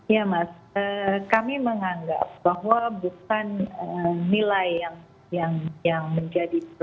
ya mas kami menganggap bahwa bukan nilai yang menjadi